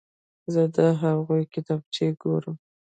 زه د هغوی کتابچې ګورم.